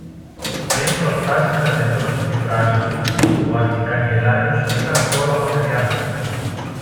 Πριν προφτάσει να τελειώσει τη φράση του, ο αρχικαγκελάριος ήταν κιόλα μακριά.